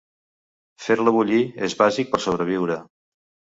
Fer-la bullir és bàsic per sobreviure.